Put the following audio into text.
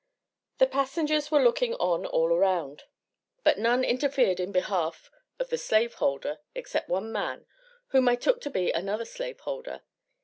The passengers were looking on all around, but none interfered in behalf of the slaveholder except one man, whom I took to be another slaveholder.